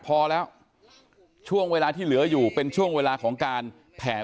พอแล้วช่วงเวลาที่เหลืออยู่เป็นช่วงเวลาของการแผน